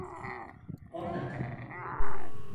Orda kal!